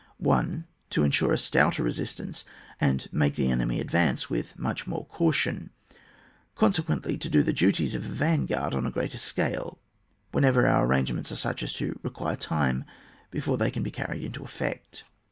1. To insure a stouter resistance, and make the enemy advance with more caution ; consequently to do the duties of a van g^ard on a greater scale, when^ ever our arrangements are such as to require time before they can be carried into effect.